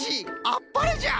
あっぱれじゃ！